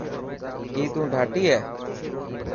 ڪي تون ڌاٽي هي.